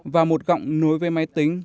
và một gọng nối với máy tính